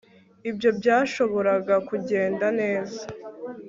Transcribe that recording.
Ibyo byashoboraga kugenda neza